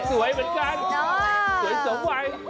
สวยสมวัย